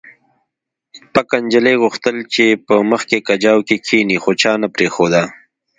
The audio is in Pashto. پکه نجلۍ غوښتل چې په مخکې کجاوو کې کښېني خو چا نه پرېښوده